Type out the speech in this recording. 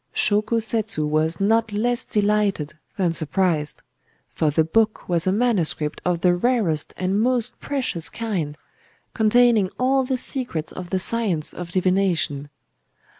"Shōko Setsu was not less delighted than surprised; for the book was a manuscript of the rarest and most precious kind,—containing all the secrets of the science of divination.